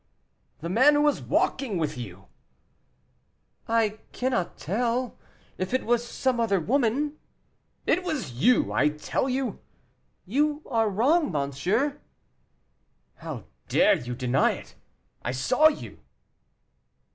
"The man who was walking with you." "I cannot tell, if it was some other woman." "It was you, I tell you." "You are wrong, monsieur." "How dare you deny it? I saw you."